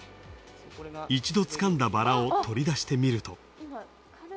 一度つかんだバラを取り出してみると。